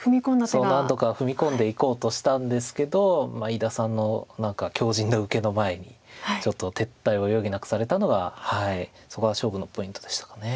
そう何度か踏み込んでいこうとしたんですけど伊田さんの何か強じんな受けの前にちょっと撤退を余儀なくされたのがそこが勝負のポイントでしたかね。